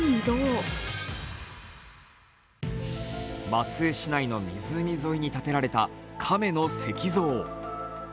松江市内の湖沿いに建てられたカメの石像。